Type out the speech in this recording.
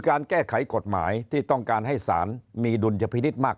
การแก้ไขกฎหมายที่ต้องการให้สารมีดุลยพินิษฐ์มาก